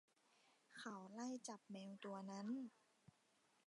เขาไล่จับแมวตัวนั้น